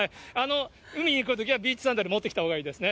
海に行くときは、ビーチサンダル持ってきたほうがいいですね。